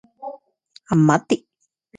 Amati